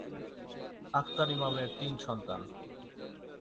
আখতার ইমামের তিন সন্তান।